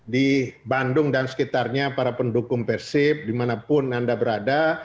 di bandung dan sekitarnya para pendukung persib dimanapun anda berada